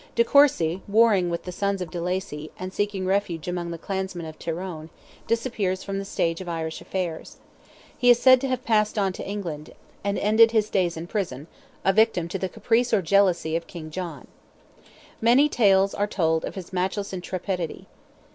De Courcy, warring with the sons of de Lacy, and seeking refuge among the clansmen of Tyrone, disappears from the stage of Irish affairs. He is said to have passed on to England, and ended his days in prison, a victim to the caprice or jealousy of King John. Many tales are told of his matchless intrepidity.